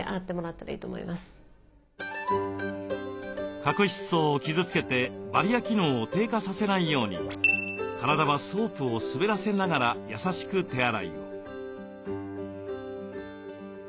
角質層を傷つけてバリア機能を低下させないように体はソープを滑らせながら優しく手洗いを。